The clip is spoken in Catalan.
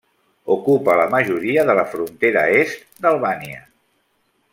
Ocupa la majoria de la frontera est d'Albània.